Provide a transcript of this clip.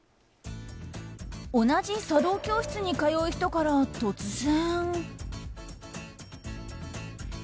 同じ茶道教室に通う人から突然。